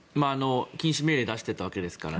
禁止命令を出していたわけですからね。